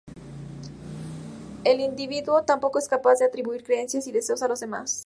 El individuo tampoco es capaz de atribuir creencias y deseos a los demás.